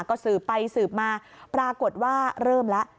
ก็สืบไปสืบมาปรากฏว่าเริ่มแล้ว